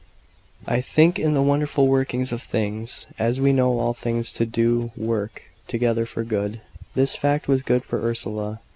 I think in the wonderful workings of things as we know all things do work together for good this fact was good for Ursula.